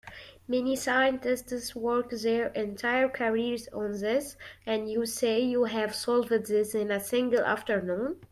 Many scientists work their entire careers on this, and you say you have solved this in a single afternoon?